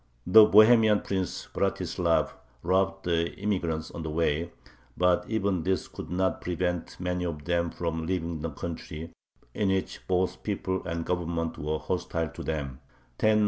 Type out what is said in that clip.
The Bohemian Prince Vratislav robbed the immigrants on the way, but even this could not prevent many of them from leaving the country in which both people and Government were hostile to them (1098).